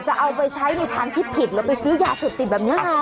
จะเอาไปใช้ในทางที่ผิดแล้วไปซื้อยาเสพติดแบบนี้ไง